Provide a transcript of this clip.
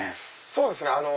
そうですね。